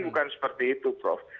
bukan seperti itu prof